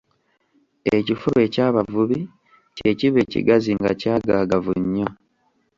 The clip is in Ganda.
Ekifuba eky'abavubi kye kiba ekigazi nga kyagaagavu nnyo.